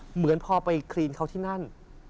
เหมือนพอไปคลีนเขาที่นั่น